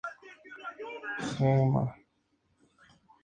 Fue presentado en Avenida Corrientes ante miles de personas.